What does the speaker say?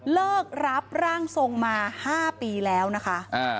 เลิกรับร่างทรงมา๕ปีแล้วนะคะ